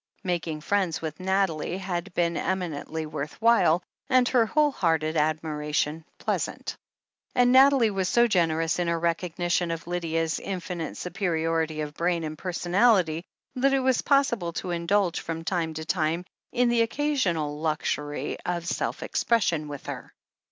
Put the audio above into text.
Making friends with Nathalie had been eminently worth while, and her whole hearted admiration pleasant. And Nathalie was so generous in her recognition of Lydia's infinite supe riority of brain and personality that it was possible to indulge from time to time in the occasional luxury of THE HEEL OF ACHILLES 419 self expression with her.